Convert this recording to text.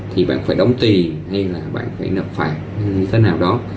thì bạn phải đóng tiền hay là bạn phải nộp phạt như thế nào đó